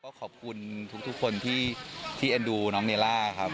ก็ขอบคุณทุกคนที่เอ็นดูน้องเนล่าครับ